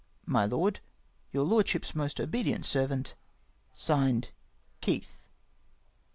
My Lord, " Your Lordship's most obedient sei'vant, (Signed) "Keith.